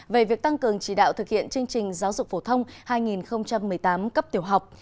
về việc tăng cường chỉ đạo thực hiện chương trình giáo dục phổ thông hai nghìn một mươi tám cấp tiểu học